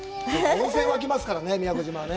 温泉湧きますからね、宮古島はね。